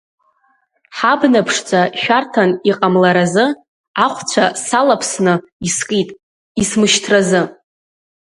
Ҳабна ԥшӡа шәарҭан иҟамларазы, ахәцәа салаԥсны, искит исмышьҭразы.